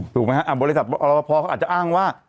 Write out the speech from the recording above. ถูกไหมฮะบริษัทอรบพอเขาอาจจะอ้างว่า